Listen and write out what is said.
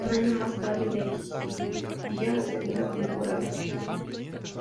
Un año más tarde dirigiría la segunda temporada.